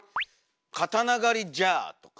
「刀狩りじゃ！」とか。